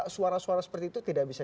suara suara seperti itu tidak bisa